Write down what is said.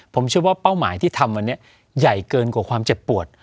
ผมเชื่อว่าเป้าหมายที่ทำวันนี้ใหญ่เกินกว่าความเจ็บปวด